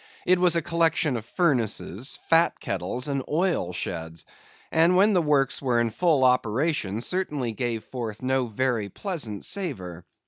It was a collection of furnaces, fat kettles, and oil sheds; and when the works were in full operation certainly gave forth no very pleasant savor.